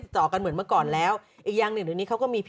ติดต่อกันเหมือนเมื่อก่อนแล้วอีกอย่างหนึ่งนี้เขาก็มี